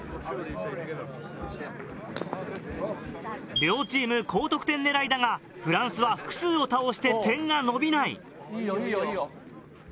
両チーム高得点狙いだがフランスは複数を倒して点が伸びない。